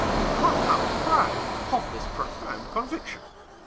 I am proud of this profound con viction.